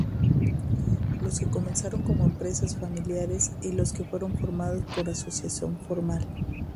Los que comenzaron como empresas familiares y las que fueron formadas por asociación formal.